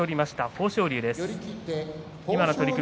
豊昇龍です。